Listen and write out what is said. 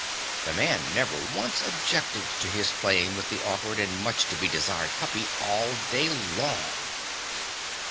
The man never once objected to his playing with the awkward and much to be desired puppy all day long.